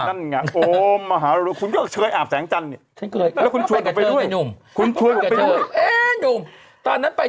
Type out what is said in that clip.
นั่นไงโอมมหาลัยคุณก็เคยอาบแสงจันทร์เนี่ย